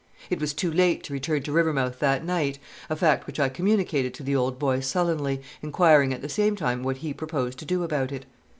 It was too late to return to Rivermouth that night a fact which I communicated to the old boy sullenly, inquiring at the same time what he proposed to do about it.